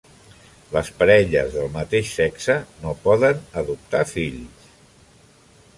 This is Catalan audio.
Les parelles del mateix sexe no poden adoptar fills.